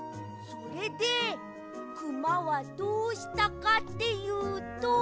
それでくまはどうしたかっていうと。